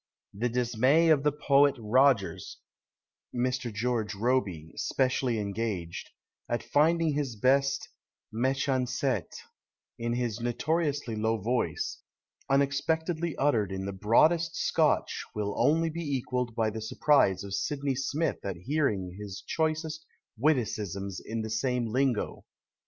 The dismay of the poet Rogers (Mr. George Robey, specially engaged) at finding his best mechancetis, in his notoriously low voice, unexpectedly uttered in the broadest Scotch will only be equalled by the surprise of Sydney Smith at hearing his choicest witticisms in the same lingo.